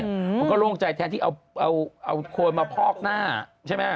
ผมก็ลวงใจแทนที่เอาโควิดมาพลอกหน้าใช่ไหม